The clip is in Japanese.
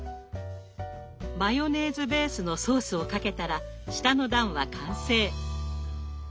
マヨネーズベースのソースをかけたら下の段は完成。